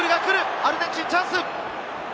アルゼンチン、チャンス！